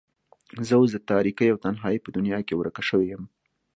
زه اوس د تاريکۍ او تنهايۍ په دنيا کې ورکه شوې يم.